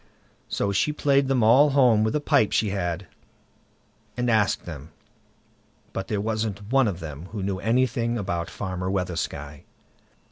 So she played them all home with a pipe she had, and asked them, but there wasn't one of them who knew anything about Farmer Weathersky.